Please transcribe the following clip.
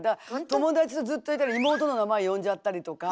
友達とずっといたら妹の名前呼んじゃったりとか。